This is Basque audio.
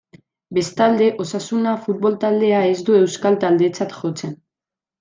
Bestalde, Osasuna futbol taldea ez du euskal taldetzat jotzen.